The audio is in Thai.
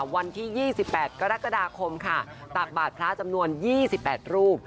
วันที่๒๘กรกฎาคมค่ะตักบาทพระจำนวน๒๘รูป